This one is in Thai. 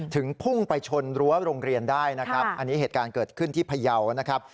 พุ่งไปชนรั้วโรงเรียนได้นะครับอันนี้เหตุการณ์เกิดขึ้นที่พยาวนะครับ